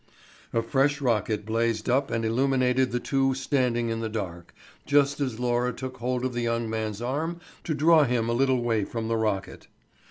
A fresh rocket blazed up and illuminated the two standing in the dark, just as Laura took hold of the young man's arm to draw him a little way from the rocket.